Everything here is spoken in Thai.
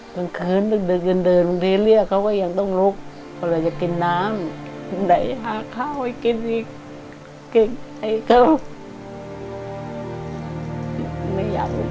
กลางคืนเดินเดินทีเรียกเขาก็ยังต้องลุกเพราะเราจะกินน้ำไหนหาข้าวให้กินอีกเก่งไอ้เขาไม่อยากปวดเขาค่ะ